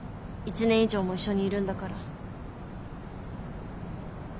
１年以上も一緒にいるんだから。